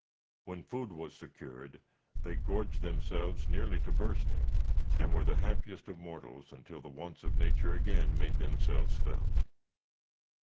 When food was secured, they gorged themselves nearly to bursting, and were the happiest of mortals, until the wants of nature again made themselves felt.